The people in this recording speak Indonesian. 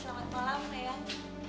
selamat malam eang